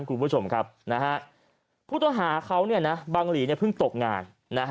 คุณผู้ชมครับผู้ต้องหาเขาบังหลีเพิ่งตกงาน